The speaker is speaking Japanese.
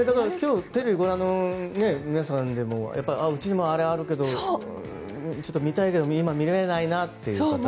テレビご覧の皆さんでもうちにもあれあるけどちょっと見たいけど今、見られないなっていう方は。